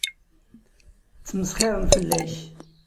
Ttmesxiṛen fell-ak.